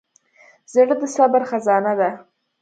زړه د صبر خزانه ده.